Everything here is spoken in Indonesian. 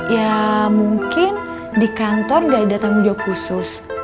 ya mungkin di kantor nggak ada tanggung jawab khusus